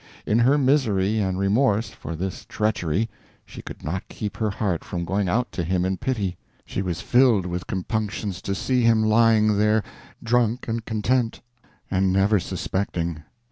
In her misery and remorse for this treachery she could not keep her heart from going out to him in pity; she was filled with compunctions to see him lying there, drunk and contented, and never suspecting.